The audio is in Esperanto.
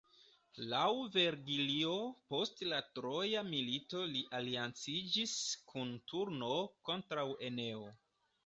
Laŭ Vergilio, post la Troja milito li alianciĝis kun Turno kontraŭ Eneo.